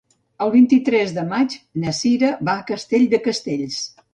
El vint-i-tres de maig na Sira va a Castell de Castells.